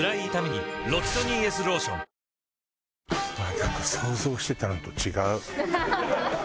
やっぱ想像してたのと違う。